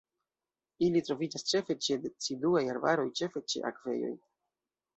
Ili troviĝas ĉefe ĉe deciduaj arbaroj, ĉefe ĉe akvejoj.